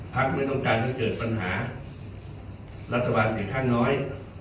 ภาคไม่ต้องการเจอเจิดปัญหารัฐบาลเสียทางน้อย